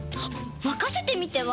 まかせてみては？